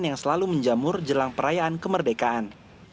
yang selalu menjamur jelang perayaan kemerdekaan